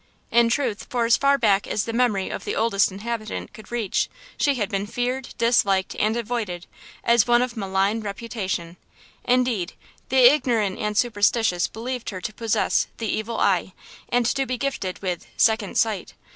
In truth, for as far back as the memory of the "oldest inhabitant" could reach, she had been feared, disliked and avoided, as one of malign reputation; indeed, the ignorant and superstitious believed her to possess the "evil eye," and to be gifted with "second sight."